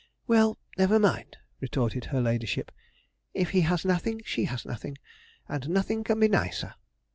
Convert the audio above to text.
'Well, never mind,' retorted her ladyship; 'if he has nothing, she has nothing, and nothing can be nicer.'